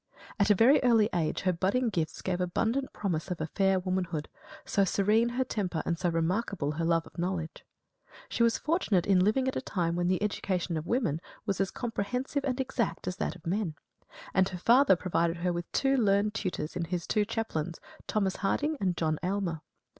At a very early age her budding gifts gave abundant promise of a fair womanhood; so serene her temper and so remarkable her love of knowledge. She was fortunate in living at a time when the education of women was as comprehensive and exact as that of men; and her father provided her with two learned tutors in his two chaplains, Thomas Harding and John Aylmer.